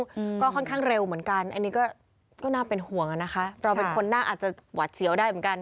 อืมก็ค่อนข้างเร็วเหมือนกันอันนี้ก็ก็น่าเป็นห่วงอ่ะนะคะเราเป็นคนน่าอาจจะหวัดเสียวได้เหมือนกัน